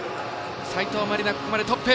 斉藤真理菜、ここまでトップ。